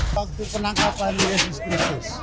waktu penangkapan yesus kristus